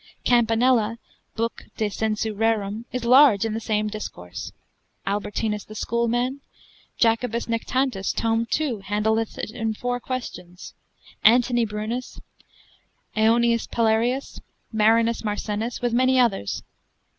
Campanella, lib. de sensu rerum, is large in the same discourse, Albertinus the Schoolman, Jacob. Nactantus, tom. 2. op. handleth it in four questions, Antony Brunus, Aonius Palearius, Marinus Marcennus, with many others.